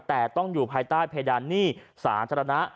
แต่ต้องอยู่ภายใต้เพดานหนี้สาธารณะ